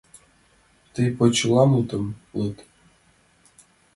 Тый почеламутым луд...